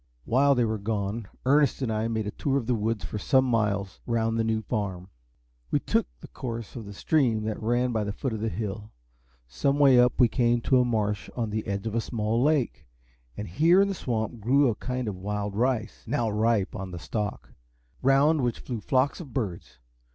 While they were gone, Ernest and I made a tour of the woods for some miles round the new Farm. We first took the course of the stream that ran by the foot of the hill. Some way up we came to a marsh on the edge of a small lake, and here in the swamp grew a kind of wild rice, now ripe on the stalk, round which flew flocks of birds.